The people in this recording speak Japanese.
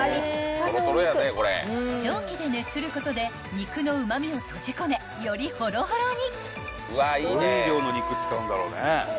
［蒸気で熱することで肉のうま味を閉じ込めよりホロホロに］